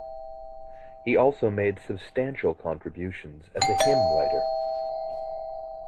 He also made substantial contributions as a hymn writer.